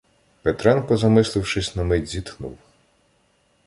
Петренко, замислившись на мить, зітхнув.